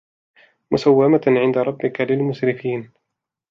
مسومة عند ربك للمسرفين